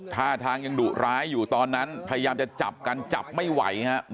ท่าทางยังดุร้ายอยู่ตอนนั้นพยายามจะจับกันจับไม่ไหวครับ